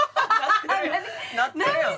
なってるやん。